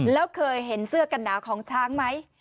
แล้วเคยเห็นเสื้อกันหนาวของช้างไหม